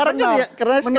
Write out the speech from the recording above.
karena sekarang kan ya